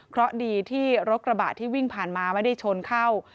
เพราะดีที่รถกระบะที่วิ่งผ่านมาไม่ได้ชนเข้า